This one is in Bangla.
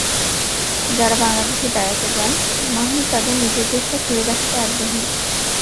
যাঁরা বাংলাদেশে বেড়াতে যান, মাহমুদ তাঁদের নিজের দেশটা ঘুরে দেখাতে আগ্রহী।